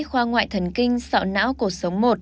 khoa ngoại thần kinh sọ não cột sống một